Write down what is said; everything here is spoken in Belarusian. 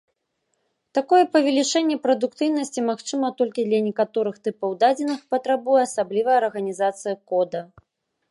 Такое павелічэнне прадукцыйнасці магчыма толькі для некаторых тыпаў дадзеных і патрабуе асаблівай арганізацыі кода.